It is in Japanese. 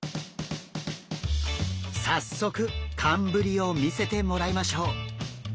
早速寒ぶりを見せてもらいましょう。